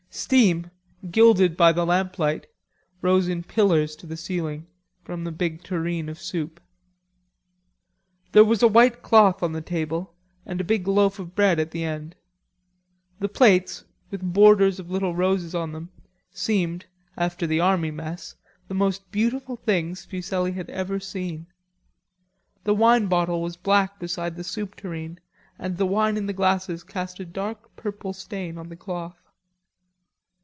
Steam, gilded by the lamplight, rose in pillars to the ceiling from the big tureen of soup. There was a white cloth on the table and a big loaf of bread at the end. The plates, with borders of little roses on them, seemed, after the army mess, the most beautiful things Fuselli had ever seen. The wine bottle was black beside the soup tureen and the wine in the glasses cast a dark purple stain on the cloth.